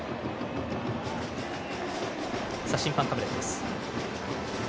審判カメラです。